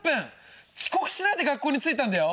遅刻しないで学校に着いたんだよ！